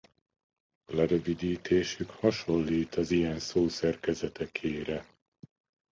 Lerövidítésük hasonlít az ilyen szószerkezetekére.